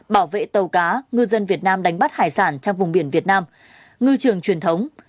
bảo vệ tàu cá ngư dân việt nam đánh bắt hải sản trong vùng biển việt nam ngư trường truyền thống